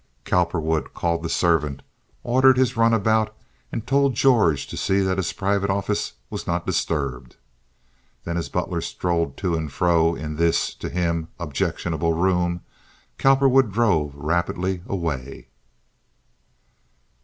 Cowperwood called the servant, ordered his runabout, and told George to see that his private office was not disturbed. Then, as Butler strolled to and fro in this, to him, objectionable room, Cowperwood drove rapidly away.